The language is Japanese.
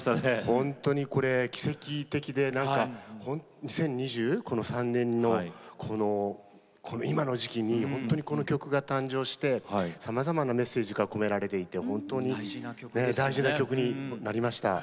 奇跡的で、２０２３年のこの今の時期にこの曲が誕生してさまざまなメッセージが込められていて大事な曲になりました。